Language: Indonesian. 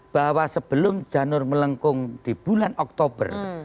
bahwa sebelum janur melengkung di bulan oktober